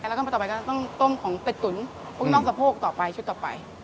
แล้วก็มาต่อไปก็ต้องต้มของเป็ดตุ๋นพวกน้องสะโพกต่อไปชุดต่อไป